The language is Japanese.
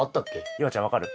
夕空ちゃん分かる？